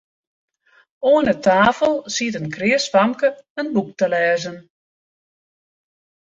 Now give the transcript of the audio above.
Oan 'e tafel siet in kreas famke in boek te lêzen.